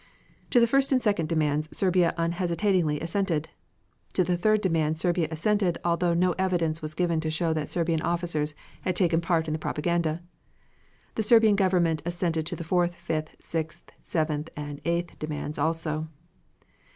To the first and second demands Serbia unhesitatingly assented. To the third demand, Serbia assented, although no evidence was given to show that Serbian officers had taken part in the propaganda. The Serbian Government assented to the fourth, fifth, sixth, seventh and eighth demands also.